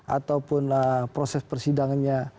ataupun proses persidangannya